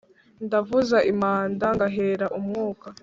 Ndavuza impanda ngahera umwuka